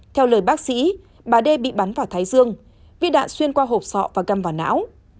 theo lời bác sĩ bà đê bị bắn vào thái dương viết đạn xuyên qua hộp sọ và gâm vào não